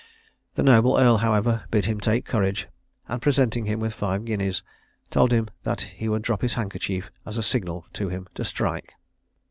The noble earl, however, bid him take courage, and presenting him with five guineas, told him that he would drop his handkerchief as a signal to him to strike.